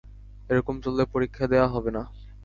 এরকম চললে পরীক্ষা দেয়া হবে না।